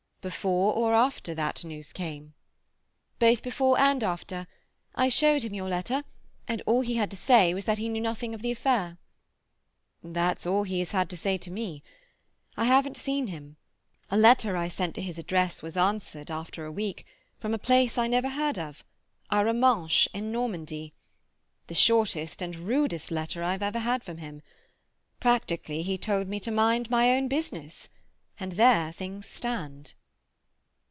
"Before or after that news came?" "Both before and after. I showed him your letter, and all he had to say was that he knew nothing of the affair." "That's all he has to say to me. I haven't seen him. A letter I sent to his address was answered, after a week, from a place I never heard of—Arromanches, in Normandy. The shortest and rudest letter I ever had from him. Practically he told me to mind my own business. And there things stand."